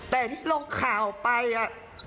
แต่ที่ลงข่าวไปอ่ะ